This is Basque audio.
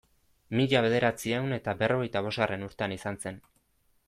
Mila bederatziehun eta berrogeita bosgarren urtean izan zen.